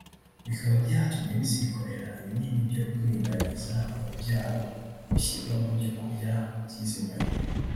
bikaba byatumye bazikorera ibinini byo kuringaniza urubyaro bishyirwa mu byo kurya by’izi nyoni